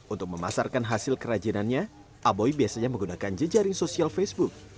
untuk memasarkan hasil kerajinannya aboy biasanya menggunakan jejaring sosial facebook